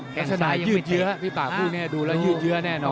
แค่ขนาดยืดเยอะพี่ป่าพูดแน่ดูแล้วยืดเยอะแน่นอน